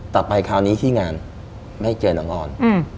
ไปคราวนี้ที่งานไม่เจอน้องออน